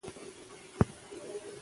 زده کوونکي به خپله زده کړه بشپړه کړې وي.